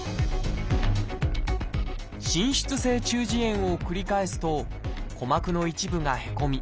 浸出性中耳炎を繰り返すと鼓膜の一部がへこみ